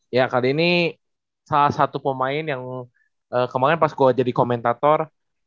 ya kak denny salah satu pemain yang kemarin pas gue jadi komentator